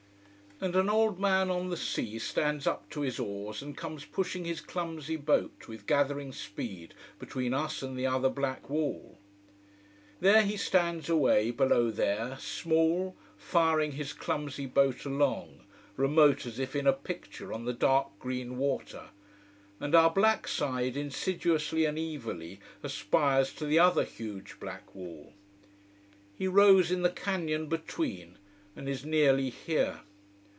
And an old man on the sea stands up to his oars and comes pushing his clumsy boat with gathering speed between us and the other black wall. There he stands away below there, small, firing his clumsy boat along, remote as if in a picture on the dark green water. And our black side insidiously and evilly aspires to the other huge black wall. He rows in the canyon between, and is nearly here.